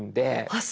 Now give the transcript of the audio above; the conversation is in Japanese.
あっ！